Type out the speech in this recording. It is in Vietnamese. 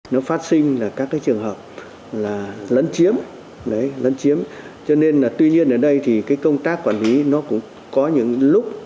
nó phát sinh là các trường hợp lấn chiếm cho nên là tuy nhiên ở đây thì công tác quản lý nó cũng có những lúc